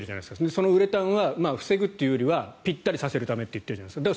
そのウレタンは防ぐというよりはぴったりさせるためと言っているじゃないですか。